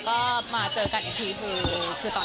กำลังดูกันอยู่ดีกว่า